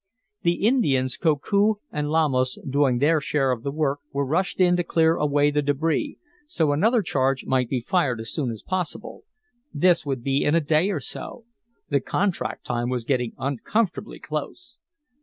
The Indians, Koku and Lamos doing their share of the work, were rushed in to clear away the debris, so another charge might be fired as soon as possible. This would be in a day or so. The contract time was getting uncomfortably close.